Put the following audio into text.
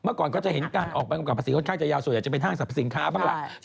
ก่อนก็จะเห็นการออกใบกำกับภาษีค่อนข้างจะยาวส่วนใหญ่จะเป็นห้างสรรพสินค้าบ้างล่ะ